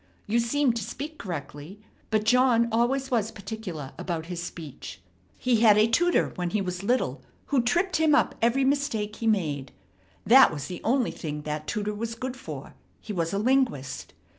You seem to speak correctly, but John always was particular about his speech. He had a tutor when he was little who tripped him up every mistake he made. That was the only thing that tutor was good for; he was a linguist.